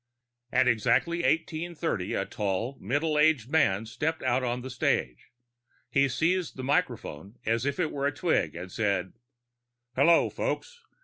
At exactly 1830, a tall, middle aged man stepped out on the stage. He seized the microphone as if it were a twig and said, "Hello, folks.